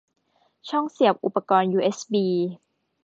ช่องเสียบอุปกรณ์ยูเอสบี